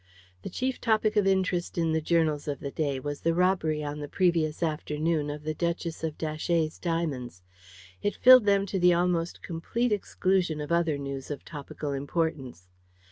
The chief topic of interest in the journals of the day was the robbery on the previous afternoon of the Duchess of Datchet's diamonds. It filled them to the almost complete exclusion of other news of topical importance.